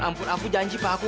ampun aku janji pak